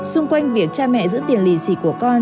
xung quanh việc cha mẹ giữ tiền lì xì của con